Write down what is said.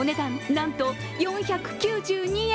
なんと４９２円。